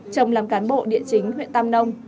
chồng làm cán bộ địa chính huyện tam nông